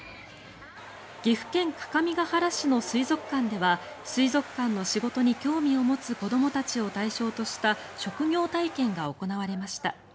岐阜県各務原市の水族館では水族館の仕事に興味を持つ子どもたちを対象とした職業体験が行われました。